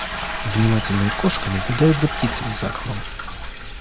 Внимательная кошка наблюдает за птицами за окном